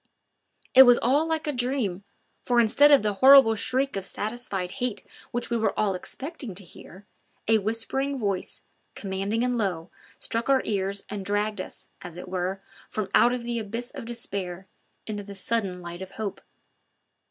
It was all like a dream, for instead of the horrible shriek of satisfied hate which we were all expecting to hear, a whispering voice, commanding and low, struck our ears and dragged us, as it were, from out the abyss of despair into the sudden light of hope.